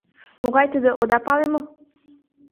Могай тудо — ода пале мо?